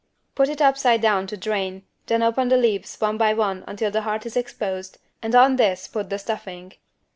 Put it upside down to drain, then open the leaves one by one until the heart is exposed and on this put the stuffing.